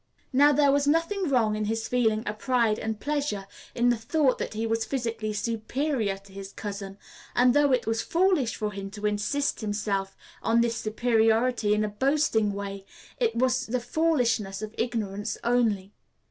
Now there was nothing wrong in his feeling a pride and pleasure in the thought that he was physically superior to his cousin, and though it was foolish for him to insist himself on this superiority in a boasting way, it was the foolishness of ignorance only.